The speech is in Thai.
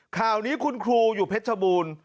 ข่าวนี้คุณครูอยู่เพชรบูรณ์